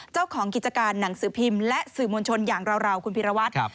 เจ้าของกิจการหนังสือพิมพ์และสื่อมวลชนอย่างราวคุณพิรวัตร